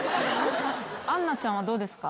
杏奈ちゃんはどうですか？